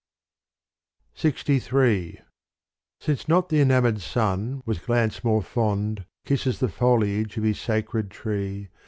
LXIII Since not the enamoured sun with glance more fond Kisses the foliage of his sacred tree.